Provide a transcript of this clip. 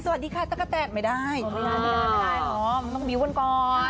สวัสดีค่ะตะกะแตนไม่ได้ไม่ได้หรอกมันต้องบิ้วกันก่อน